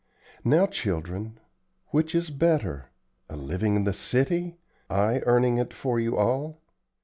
Now, children, which is better, a living in the city, I earning it for you all?